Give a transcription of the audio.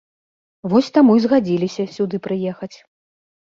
Вось таму і згадзіліся сюды прыехаць.